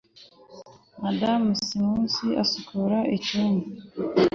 madamu smith asukura icyo cyumba